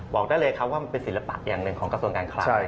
บอกได้เลยครับว่ามันเป็นศิลปะอย่างหนึ่งของกระทรวงการคลัง